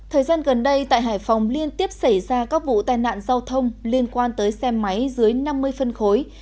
thời gian gần đây tại hải phòng liên tiếp xảy ra các vụ tai nạn giao thông liên quan tới xe máy dưới năm mươi phân khối